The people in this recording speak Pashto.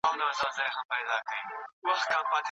که ښوونکی حوصله مند وي، زده کوونکي تېروتنه نه پټه وي.